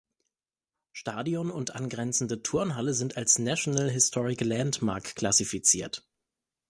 Stadion und angrenzende Turnhalle sind als National Historic Landmark klassifiziert.